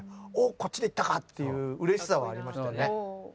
こっちで行ったかっていううれしさはありましたね。